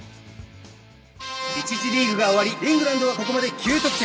１次リーグが終わりイングランドはここまで９得点。